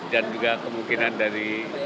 dan juga kemungkinan dari